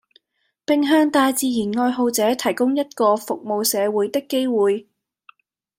並向大自然愛好者提供一個服務社會的機會